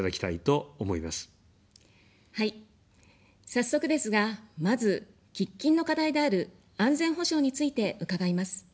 早速ですが、まず、喫緊の課題である安全保障について伺います。